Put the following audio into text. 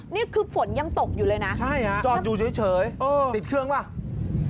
นี่คือฝนยังตกอยู่เลยนะใช่ฮะจอดอยู่เฉยติดเครื่องป่ะ